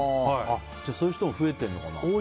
そういう人も増えてるのかな。